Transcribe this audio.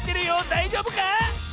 だいじょうぶか？